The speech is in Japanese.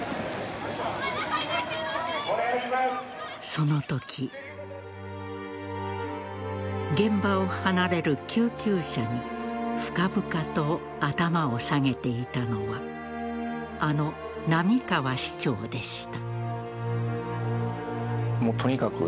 そのとき現場を離れる救急車に深々と頭を下げていたのはあの並河市長でした。